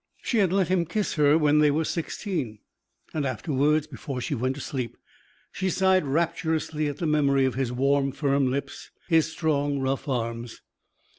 She had let him kiss her when they were sixteen. And afterwards, before she went to sleep, she sighed rapturously at the memory of his warm, firm lips, his strong, rough arms.